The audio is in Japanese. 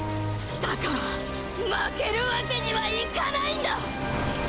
だから負けるわけにはいかないんだ！